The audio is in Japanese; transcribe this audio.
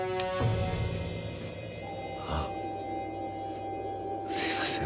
あすいません。